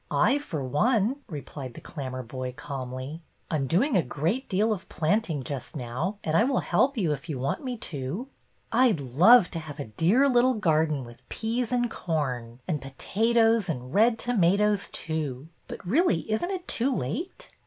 I, for one," replied the Clam merboy, calmly. I 'm doing a great deal of planting just now, and I will help you if you want me to." '' I 'd love to have a dear little garden with peas and corn — and potatoes and red tomatoes too. But, really, is n't it too late